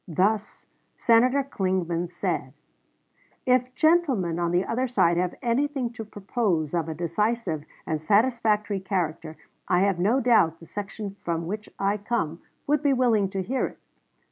Thus, Senator Clingman said, "If gentlemen on the other side have anything to propose of a decisive and satisfactory character, I have no doubt the section from which I come would be willing to hear it."